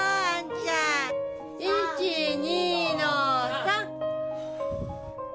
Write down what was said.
１２の３。